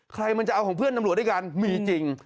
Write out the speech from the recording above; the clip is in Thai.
ใครมันจะเอาของเพื่อนตำรวจด้วยกันมีจริง